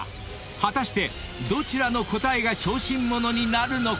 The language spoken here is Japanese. ［果たしてどちらの答えが小心者になるのか？］